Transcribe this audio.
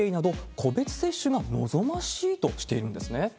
個別接種が望ましいとしているんですね。